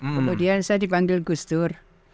kemudian saya dipanggil gustur